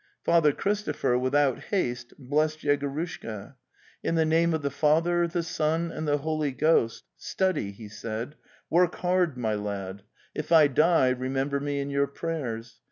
Father Christopher, without haste, blessed Yego rushka. "In the name of the Father, the Son, and the Floly \Ghost., 2) 2. Study," "he! said!) Work bard, my lad. If I die, remember me in your prayers.